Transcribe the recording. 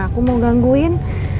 aku mau gangguin